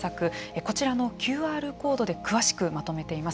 こちらのＱＲコードで詳しくまとめています。